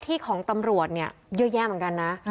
ที่ของตำรวจเนี่ยเยอะแยะเหมือนกันนะ